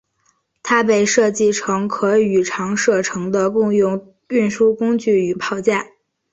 它被设计成可与长射程的共用运输工具与炮架。